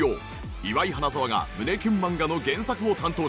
岩井花澤が胸キュン漫画の原作を担当します。